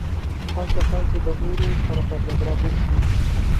هغه کسان چې د نورو سره په جګړه بوخت دي.